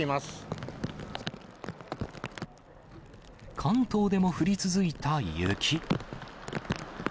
関東でも降り続いた雪。